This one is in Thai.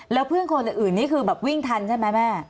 แล้วเพื่อนคนอื่นนี่คือแบบวิ่งทันใช่ไหมแม่